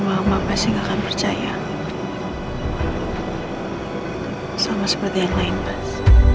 tapi aku yakin mama pasti gak akan percaya sama seperti yang lain bas